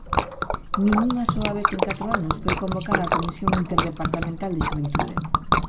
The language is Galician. Nin unha soa vez en catro anos foi convocada a Comisión Interdepartamental de Xuventude.